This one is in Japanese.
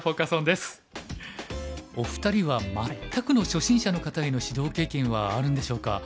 お二人は全くの初心者の方への指導経験はあるんでしょうか？